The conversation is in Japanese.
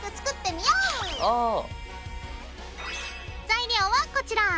材料はこちら！